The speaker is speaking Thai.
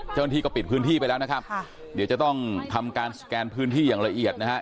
เจ้าหน้าที่ก็ปิดพื้นที่ไปแล้วนะครับเดี๋ยวจะต้องทำการสแกนพื้นที่อย่างละเอียดนะฮะ